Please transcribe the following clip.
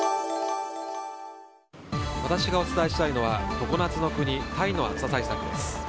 私がお伝えしたいのは常夏の国タイの暑さ対策です。